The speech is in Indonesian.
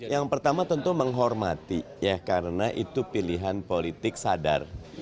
yang pertama tentu menghormati ya karena itu pilihan politik sadar